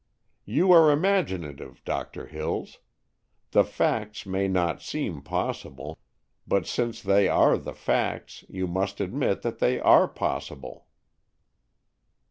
"You are imaginative, Doctor Hills. The facts may not seem possible, but since they are the facts you must admit that they are possible."